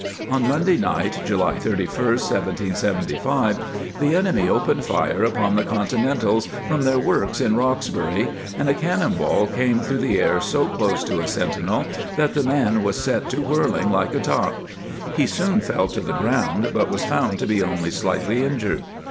On Monday night, July 31, 1775, the enemy opened fire upon the Continentals from their works in Roxbury, and a cannon ball came through the air so close to a sentinel that the man was set to whirling like a top. He soon fell to the ground, but was found to be only slightly injured.